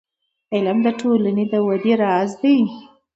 • علم، د ټولنې د ودې راز دی.